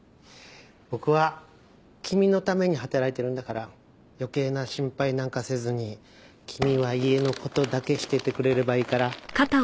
僕は君のために働いてるんだから余計な心配なんかせずに君は家の事だけしててくれればいいから。